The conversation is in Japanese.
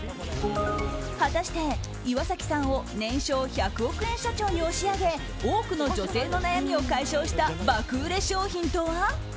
果たして岩崎さんを年商１００億円社長に押し上げ多くの女性の悩みを解消した爆売れ商品とは？